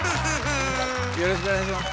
よろしくお願いします。